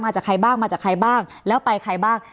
จากใครบ้างมาจากใครบ้างแล้วไปใครบ้าง